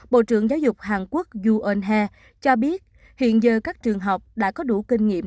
bộ trưởng giáo dục hàn quốc yoo eun hae cho biết hiện giờ các trường học đã có đủ kinh nghiệm